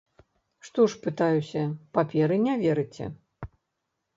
Што ж, пытаюся, паперы не верыце?